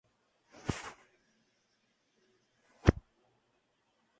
En la actualidad reside en el Estado Bolívar.